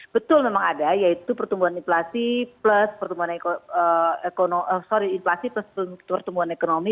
betul memang ada yaitu pertumbuhan inflasi plus pertumbuhan ekonomi